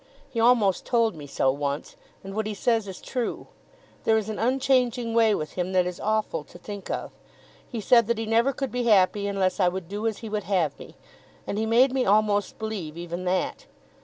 He almost told me so once, and what he says is true. There is an unchanging way with him that is awful to think of. He said that he never could be happy unless I would do as he would have me, and he made me almost believe even that.